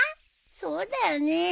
そうだよねえ。